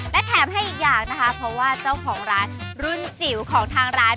และแถมให้อีกอย่างนะคะเพราะว่าเจ้าของร้านรุ่นจิ๋วของทางร้าน